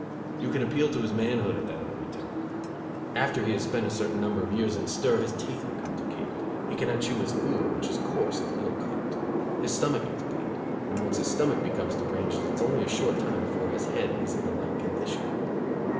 You can appeal to his manhood at that early time. After he has spent a certain number of years in stir his teeth become decayed; he can not chew his food, which is coarse and ill cooked; his stomach gets bad: and once his stomach becomes deranged it is only a short time before his head is in a like condition.